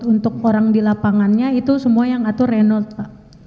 untuk orang di lapangannya itu semua yang ngatur renold pak